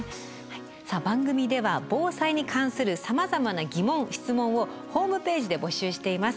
さあ番組では防災に関するさまざまな疑問・質問をホームページで募集しています。